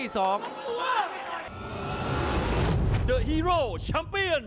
สมาชิง